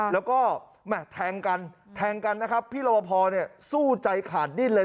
แล้วก็แทงกันแทงกันนะครับพี่รวบพอเนี่ยสู้ใจขาดดิ้นเลย